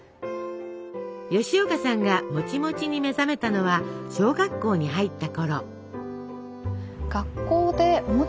吉岡さんがもちもちに目覚めたのは小学校に入ったころ。